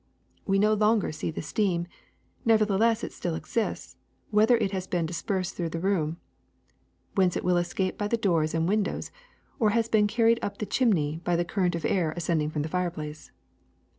We no longer see the steam; nevertheless it still exists, whether it has been dispersed through the room, whence it will escape by the doors and win dows, or has been carried up the chimney by the cur rent of air ascending from the fireplace.